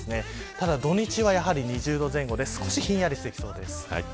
ただ土日は２０度前後で少しひんやりしてきそうです。